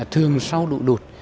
thường sau lụ lụt